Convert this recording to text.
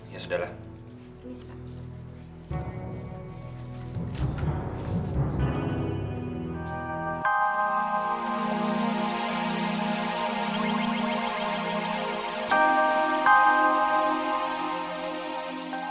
ya sudah lah